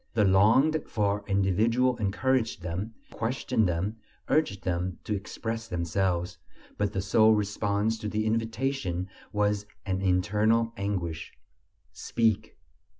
The longed for individual encouraged them, questioned them, urged them to express themselves, but the sole response to the invitation was an internal anguish. Speak!